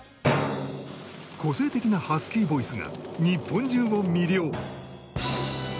個性的なハスキーボイスが日本中を魅了